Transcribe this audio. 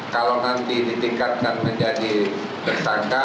kalau nanti ditingkatkan menjadi tersangka